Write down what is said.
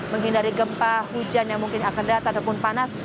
menghindari gempa hujan yang mungkin akan datang ataupun panas